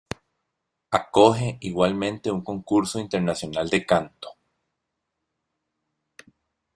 Acoge igualmente un concurso internacional de canto.